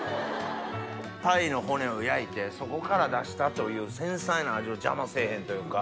鯛の骨を焼いてそこから出したという繊細な味を邪魔せぇへんというか。